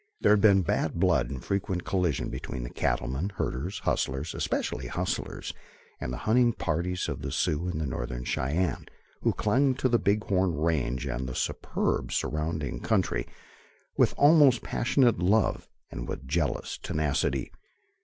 There had been bad blood and frequent collision between the cattlemen, herders, "hustlers," especially hustlers, and the hunting parties of the Sioux and the Northern Cheyenne, who clung to the Big Horn Range and the superb surrounding country with almost passionate love and with jealous tenacity.